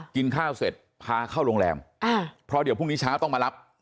กินข้าวเสร็จพาเข้าโรงแรมเพราะเดี๋ยวพรุ่งนี้เช้าต้องมารับ